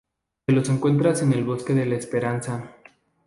Te los encuentras en El Bosque de la Esperanza.